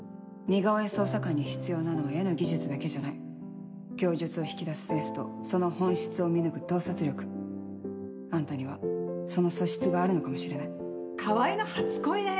捜査官に必要なのは絵の技術だけじゃ供述を引き出すセンスとその本質を見抜くあんたにはその素質があるのかもしれない川合の初恋だよ